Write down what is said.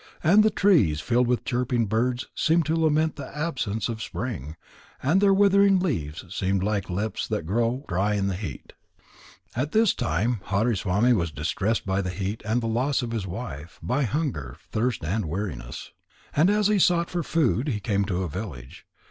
And the trees, filled with chirping birds, seemed to lament the absence of the spring, and their withering leaves seemed like lips that grow dry in the heat. At this time Hariswami was distressed by the heat and the loss of his wife, by hunger, thirst, and weariness. And as he sought for food, he came to a village.